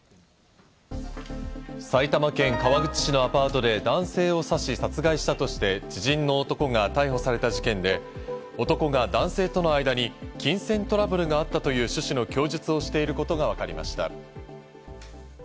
埼玉県川口市のアパートで男性を刺し、殺害したとして知人の男が逮捕された事件で、男が男性との間に金銭トラブルがあったという趣旨の供述をしていることがわかりました。